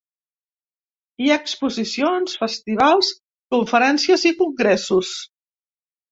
Hi ha exposicions, festivals, conferències i congressos.